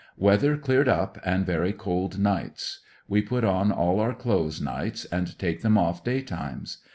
Weather cleared up, and very cold nights. We put on all our clothes nights and take them off day times.